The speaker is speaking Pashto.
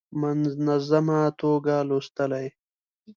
منظمه توګه لوستلې.